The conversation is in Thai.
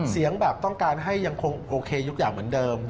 เสียงแบบต้องการให้ยังคงโอเคทุกอย่างเหมือนเดิม